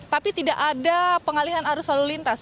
tapi tidak ada pengalihan arus lalu lintas